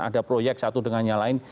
ada proyek satu dengan yang lain